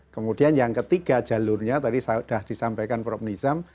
kemudian yang ketiga jalurnya tadi sudah disampaikan prof nizam